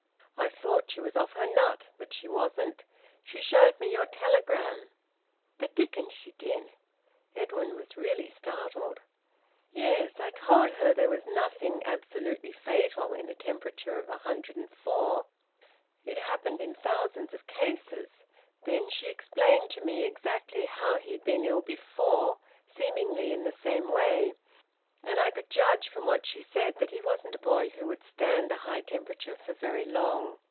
I thought she was off her nut, but she wasn't. She showed me your telegram." "The dickens she did!" Edwin was really startled. "Yes. I told her there was nothing absolutely fatal in a temperature of 104. It happened in thousands of cases. Then she explained to me exactly how he'd been ill before, seemingly in the same way, and I could judge from what she said that he wasn't a boy who would stand a high temperature for very long."